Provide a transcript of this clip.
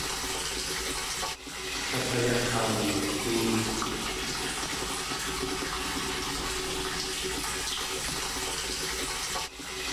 Tlél ayakawul.óox.